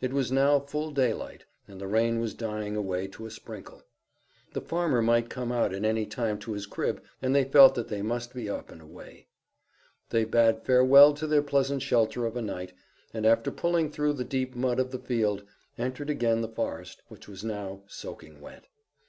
It was now full daylight, and the rain was dying away to a sprinkle. The farmer might come out at any time to his crib, and they felt that they must be up and away. They bade farewell to their pleasant shelter of a night, and, after pulling through the deep mud of the field, entered again the forest, which was now soaking wet.